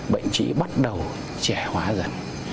bệnh trí bắt đầu trẻ hóa dần